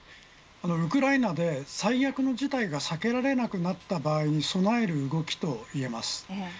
ウクライナで、最悪の事態が避けられなくなった場合に備える動きといえます。